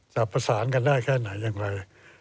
จะประสานกันได้แค่ไหนอย่างไร